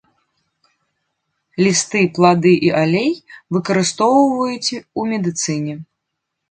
Лісты, плады і алей выкарыстоўваюць у медыцыне.